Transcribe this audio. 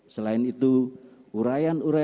selain itu urayan urayan